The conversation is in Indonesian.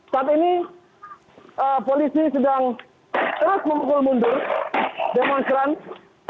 saat ini polisi sedang terus memukul mundur demonstran ke arah